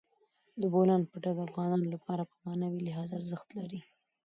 د بولان پټي د افغانانو لپاره په معنوي لحاظ ارزښت لري.